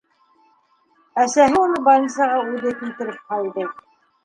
Әсәһе уны больницаға үҙе килтереп һалды.